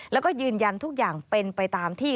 แล้วก็ยืนยันทุกอย่างเป็นไปตามที่